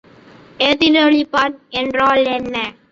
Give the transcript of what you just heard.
எதிரொலிப்பான் என்றால் என்ன?